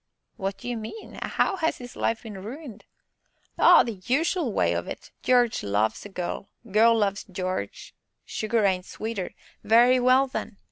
"What do you mean how has his life been ruined?" "Oh! the usual way of it; Jarge loves a gell gell loves Jarge sugar ain't sweeter very well then!